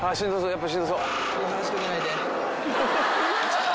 やっぱしんどそう。